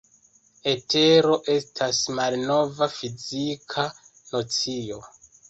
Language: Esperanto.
Etero estas malnova fizika nocio.